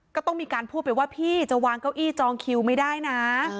ก็ต้องมีการพูดไปว่าพี่จะวางเก้าอี้จองคิวไม่ได้นะ